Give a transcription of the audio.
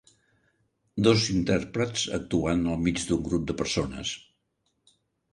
Dos intèrprets actuant al mig d'un grup de persones.